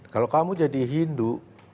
kalau kamu jadi hindu